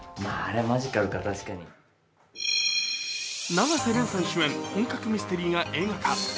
永瀬廉さん主演、本格ミステリーが映画化。